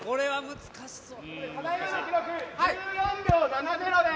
難しそう。